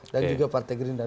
dan juga partai gerindana